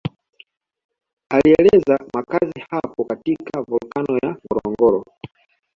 Alieleza makazi huko katika valkano ya Ngorongoro